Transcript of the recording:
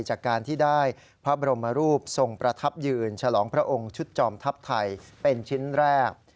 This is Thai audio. จากการที่ได้พระบรมรูปทรงประทับยืนฉลองพระองค์ชุดจอมทัพไทยเป็นชิ้นแรก